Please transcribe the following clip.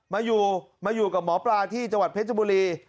มาอยู่มาอยู่กับหมอปลาที่จังหวัดเพชรบุรี